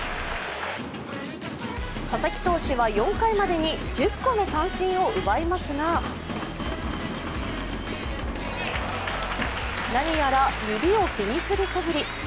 佐々木投手は４回までに１０個の三振を奪いますが何やら指を気にするそぶり。